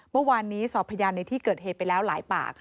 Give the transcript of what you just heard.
เมื่อวานนี้สอบพยานในที่เกิดเหตุไปแล้วหลายปาก